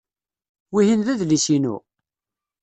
Wihin d adlis-inu?